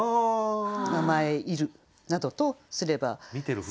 「名前入る」などとすれば。